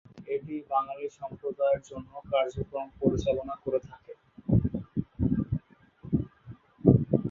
এটি বাঙ্গালী সম্প্রদায়ের জন্য কার্যক্রম পরিচালনা করে থাকে।